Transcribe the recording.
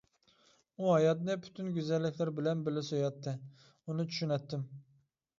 ئۇ ھاياتنى پۈتۈن گۈزەللىكلىرى بىلەن بىللە سۆيەتتى، ئۇنى چۈشىنەتتىم.